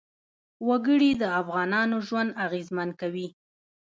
وګړي د افغانانو ژوند اغېزمن کوي.